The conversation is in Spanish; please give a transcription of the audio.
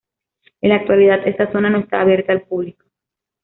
En la actualidad esta zona no está abierta al público.